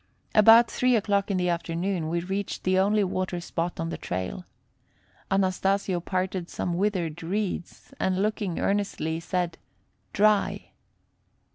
About 3 o'clock in the afternoon, we reached the only water spot on the trail. Anastasio parted some withered reeds, and, looking earnestly, said, "Dry."